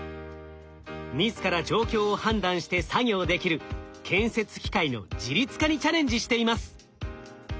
自ら状況を判断して作業できる建設機械の自律化にチャレンジしています。